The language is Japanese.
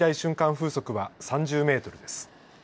風速は３０メートルです。